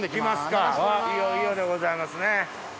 いよいよでございますね。